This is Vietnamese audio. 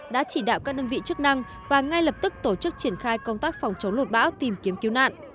đã chỉ đạo các đơn vị chức năng và ngay lập tức tổ chức triển khai công tác phòng chống lụt bão tìm kiếm cứu nạn